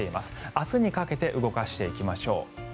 明日にかけて動かしていきましょう。